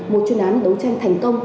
một chuyên án đấu tranh thành công